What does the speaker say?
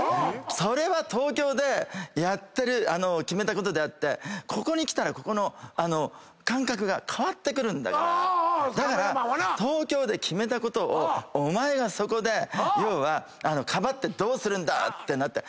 「それは東京で決めたことであってここに来たらここの感覚が変わってくるんだからだから東京で決めたことをお前がそこでかばってどうするんだ⁉」ってなって。